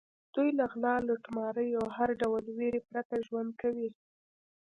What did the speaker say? دوی له غلا، لوټمارۍ او هر ډول وېرې پرته ژوند کوي.